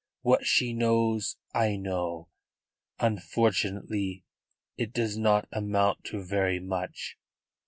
What she knows I know. Unfortunately it does not amount to very much.